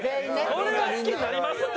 これは好きになりますって！